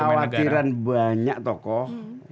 saya kira ini kekhawatiran banyak tokoh